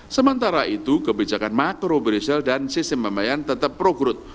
sementara itu kebijakan makro prudensial dan sistem pembayaran tetap pro grut